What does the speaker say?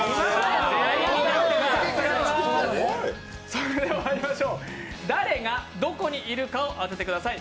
それではまいりましょう、誰がどこにいるかを当ててください。